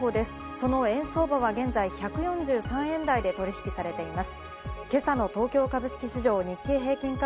その円相場は現在、１４３円台で取引されています。